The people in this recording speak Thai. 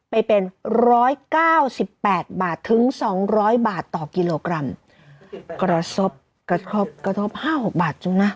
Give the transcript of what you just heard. ไปเป็นร้อยเก้าสิบแปดบาทถึงสองร้อยบาทต่อกิโลกรัมกระทบกระทบห้าหกบาทจุนะ